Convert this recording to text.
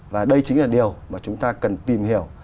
và đây chính là điều mà chúng ta cần tìm hiểu